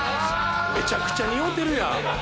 めちゃくちゃ似合うてるやん！